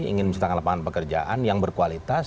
ingin menciptakan lapangan pekerjaan yang berkualitas